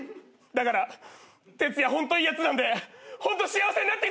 だから徹也ホントいいやつなんでホント幸せになってくださぁい！